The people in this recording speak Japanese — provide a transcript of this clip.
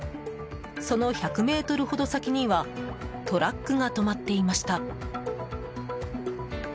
その１００ｍほど先にはトラックが止まっていました。